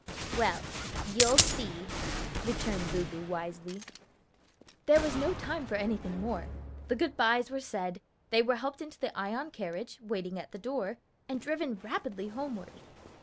"Well, you'll see!" returned Lulu wisely. There was no time for anything more; the good bys were said, they were helped into the Ion carriage, waiting at the door, and driven rapidly homeward.